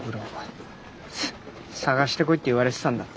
探してこいって言われてたんだった。